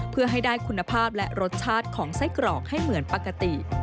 เพื่อให้ได้คุณภาพและรสชาติของไส้กรอกให้เหมือนปกติ